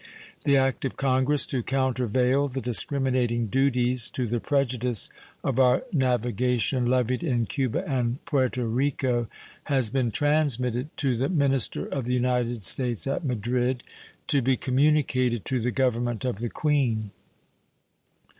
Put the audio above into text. The act of Congress to countervail the discriminating duties to the prejudice of our navigation levied in Cuba and Puerto Rico has been transmitted to the minister of the United States at Madrid, to be communicated to the Government of the Queen.